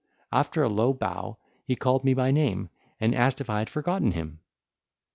After a low bow, he called me by name, and asked if I had forgotten him.